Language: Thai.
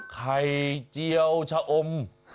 ไข่เจียวชะอม